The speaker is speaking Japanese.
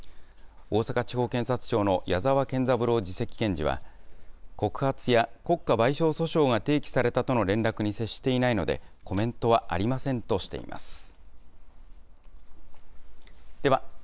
大阪地方検察庁の八澤健三郎次席検事は、告発や国家賠償訴訟が提起されたとの連絡に接していないので、コメントはありませんとしています。